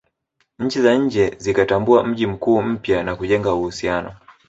Nchi za nje zikatambua mji mkuu mpya na kujenga uhusiano